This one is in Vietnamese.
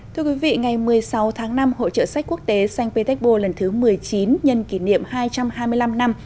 thưa quý vị ngày một mươi sáu tháng năm hội trợ sách quốc tế xanh petersburg lần thứ một mươi chín nhân kỷ niệm hai trăm hai mươi năm năm